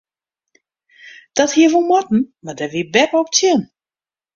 Dat hie wol moatten mar dêr wie beppe op tsjin.